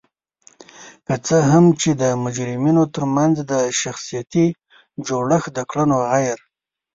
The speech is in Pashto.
که څه هم چې د مجرمینو ترمنځ د شخصیتي جوړخت د کړنو غیر